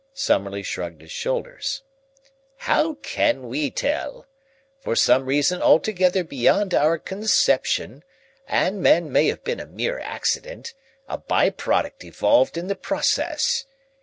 Summerlee shrugged his shoulders. "How can we tell? For some reason altogether beyond our conception and man may have been a mere accident, a by product evolved in the process.